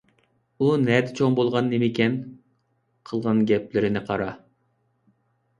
ئۇ نەدە چوڭ بولغان نېمىكەن؟ قىلغان گەپلىرىنى قارا.